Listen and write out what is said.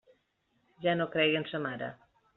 Ja no creia en sa mare.